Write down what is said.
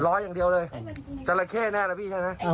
ล้ออย่างเดียวเลยจราเข้แน่นะพี่ใช่ไหม